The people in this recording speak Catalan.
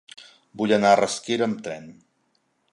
Vull anar a Rasquera amb tren.